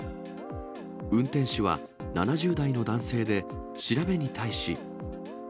運転手は７０代の男性で、調べに対し。